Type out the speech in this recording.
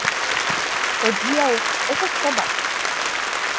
Hodiaŭ estas sabato.